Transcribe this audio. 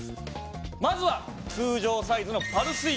まずは通常サイズのパルスイクロス。